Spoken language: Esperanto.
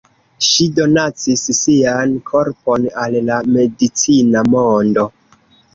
Ŝi donacis sian korpon al la medicina mondo.